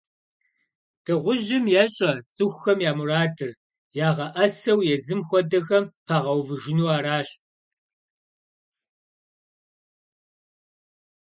Дыгъужьым ещӀэ цӀыхухэм я мурадыр - ягъэӀэсэу езым хуэдэхэм пагъэувыжыну аращ.